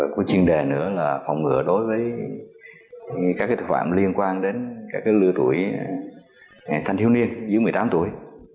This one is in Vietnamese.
cũng là chuyên đề phòng ngừa đối với các tội phạm liên quan đến các lừa tuổi thanh thiếu niên dưới một mươi tám tuổi